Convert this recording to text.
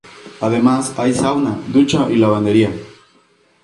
Además, hay sauna, ducha y lavandería.